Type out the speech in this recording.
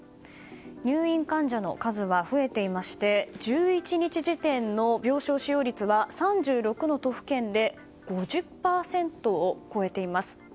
入院患者の数は増えていまして１１日時点の病床使用率は３６の都府県で５０％を超えています。